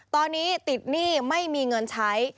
ตอนนี้ติดหนี้ไม่มีเงินใช้